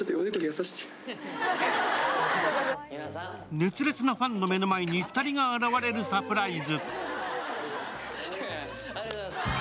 熱烈なファンの目の前に２人が現れるサプライズ。